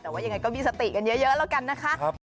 แต่ว่ายังไงก็มีสติกันเยอะแล้วกันนะคะ